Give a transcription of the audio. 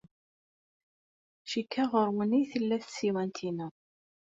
Cikkeɣ ɣer-wen ay tella tsiwant-inu.